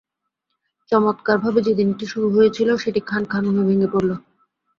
চমৎকারভাবে যেদিনটি শুরু হয়েছিল, সেটি খানখান হয়ে ভেঙে পড়ল।